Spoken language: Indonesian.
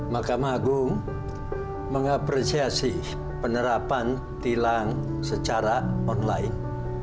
makam agung mengapresiasi penerapan e tilang secara online